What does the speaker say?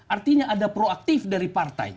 artinya ada proaktif dari partai